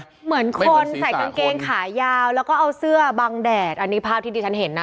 เหมือนคนใส่กางเกงขายาวแล้วก็เอาเสื้อบังแดดอันนี้ภาพที่ดิฉันเห็นนะ